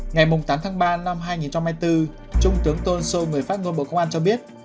ngày tám tháng ba năm hai nghìn hai mươi bốn trung tướng tôn sô người phát ngôn bộ công an cho biết